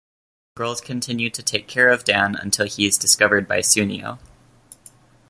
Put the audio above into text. The girls continue to take care of Dan until he is discovered by Tsuneo.